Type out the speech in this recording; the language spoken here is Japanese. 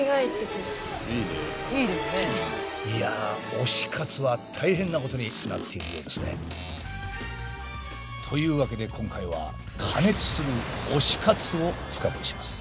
推し活は大変なことになっているようですね。というわけで今回はを深掘りします。